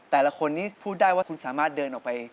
แต่ละคนนี้พูดได้ว่าคุณสามารถเดินออกไป